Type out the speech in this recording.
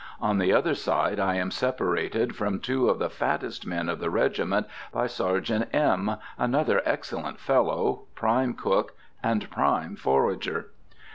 On the other side I am separated from two of the fattest men of the regiment by Sergeant M., another excellent fellow, prime cook and prime forager.